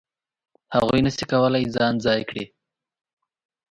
هغوی نه شي کولای ځان ځای کړي.